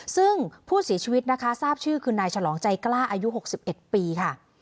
ซึ่งผู้เสียชีวิตนะคะทราบชื่อคือนายฉลองใจกล้าอายุ๖๑ปีค่ะ